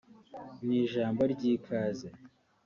Mu ijambo ry’ikaze